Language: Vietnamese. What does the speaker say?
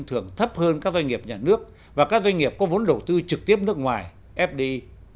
thường thấp hơn các doanh nghiệp nhà nước và các doanh nghiệp có vốn đầu tư trực tiếp nước ngoài fdi